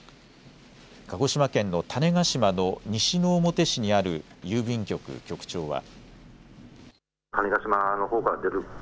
鹿児島県の種子島の西之表市にある郵便局局長は。